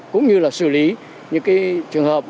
cũng như là xử lý những cái trường hợp